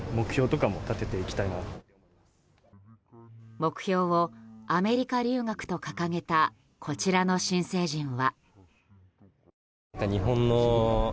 目標をアメリカ留学と掲げたこちらの新成人は。